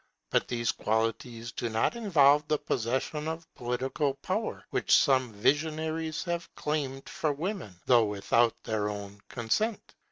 But these qualities do not involve the possession of political power, which some visionaries have claimed for women, though without their own consent.